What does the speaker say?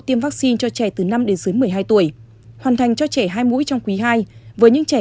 tiêm vaccine cho trẻ từ năm đến dưới một mươi hai tuổi hoàn thành cho trẻ hai mũi trong quý ii với những trẻ